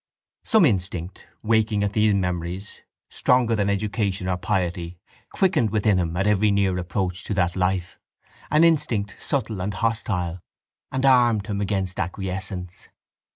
Some instinct, waking at these memories, stronger than education or piety, quickened within him at every near approach to that life, an instinct subtle and hostile, and armed him against acquiescence.